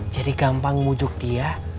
jadi gampang mujuk dia